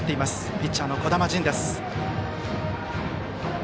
ピッチャーの児玉迅です。